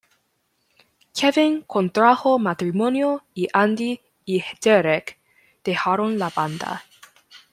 Kevin contrajo matrimonio y Andy y Derek dejaron la banda.